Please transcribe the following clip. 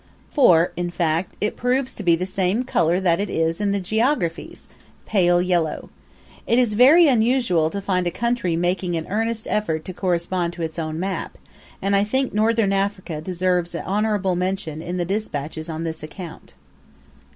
For, in fact, it proves to be the same color that it is in the geographies pale yellow. It is very unusual to find a country making an earnest effort to correspond to its own map, and I think Northern Africa deserves honorable mention in the dispatches on this account.